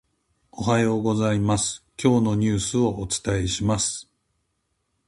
おはようございます、今日のニュースをお伝えします。